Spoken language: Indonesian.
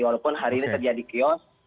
walaupun hari ini terjadi kiosk oke